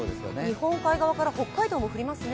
日本海側から北海道も降りますね。